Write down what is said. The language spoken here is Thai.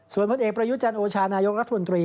ส่วนคุณเอกพระยุจันทร์โอชานายองลัทธุลตรี